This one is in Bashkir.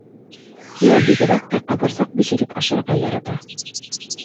Кейәү бигерәк тә ҡабырсаҡ бешереп ашарға ярата.